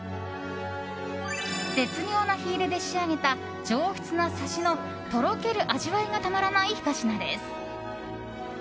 絶妙な火入れで仕上げた上質なサシのとろける味わいがたまらないひと品です。